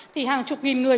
thì hàng chục nghìn người